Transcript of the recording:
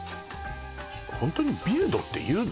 ホントにビルドって言うの？